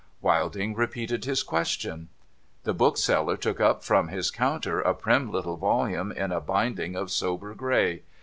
Wilding repeated his question. The bookseller took up from his counter a prim little volume in a binding of sober gray.